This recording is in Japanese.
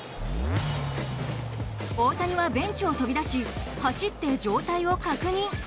大谷はベンチを飛び出し走って状態を確認。